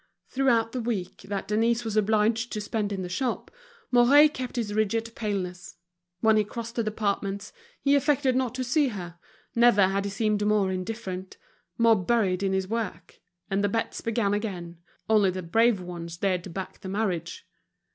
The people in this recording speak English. Throughout the week that Denise was obliged to spend in the shop, Mouret kept his rigid paleness. When he crossed the departments, he affected not to see her, never had he seemed more indifferent, more buried in his work; and the bets began again, only the brave ones dared to back the marriage.